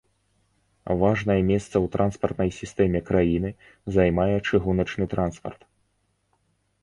Важнае месца ў транспартнай сістэме краіны займае чыгуначны транспарт.